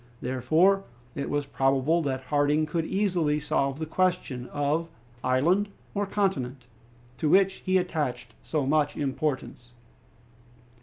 Therefore it was probable that Harding could easily solve the question of "island or continent," to which he attached so much importance.